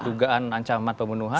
dugaan ancaman pembunuhan